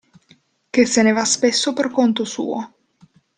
Che se ne va spesso per conto suo.